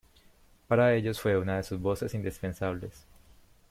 Para ellos fue una de sus voces indispensables.